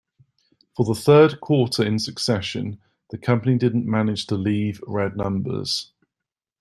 For the third quarter in succession, the company didn't manage to leave red numbers.